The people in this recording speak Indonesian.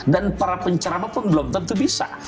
dan para pencerama pun belum tentu bisa